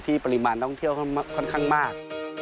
ปริมาณท่องเที่ยวค่อนข้างมาก